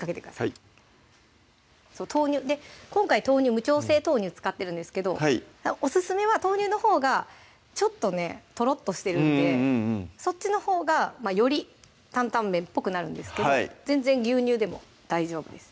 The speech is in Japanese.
はい今回豆乳無調整豆乳使ってるんですけどオススメは豆乳のほうがちょっとねとろっとしてるんでそっちのほうがより担々麺っぽくなるんですけど全然牛乳でも大丈夫です